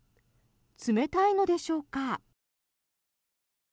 冷たいのでしょうか。